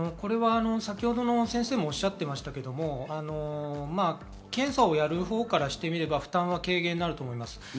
先ほどの先生もおっしゃっていましたが、検査をやるほうからしてみれば、負担は軽減になると思います。